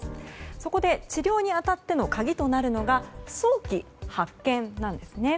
そこで治療に当たっての鍵となるのが早期発見です。